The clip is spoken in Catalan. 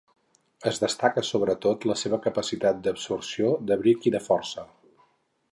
En destaca sobretot la seva capacitat d'absorció, d'abric i de força.